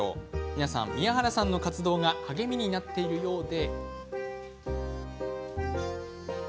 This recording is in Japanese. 皆さん、宮原さんの活動が励みになっているようで。